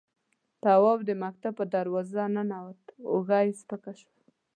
تواب د مکتب په دروازه ننوت، اوږه يې سپکه شوه.